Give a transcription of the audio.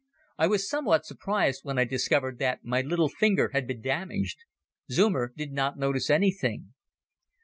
I was somewhat surprised when I discovered that my little finger had been damaged. Zeumer did not notice anything.